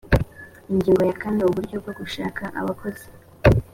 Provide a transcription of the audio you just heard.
ingingo ya kane uburyo bwo gushaka abakozi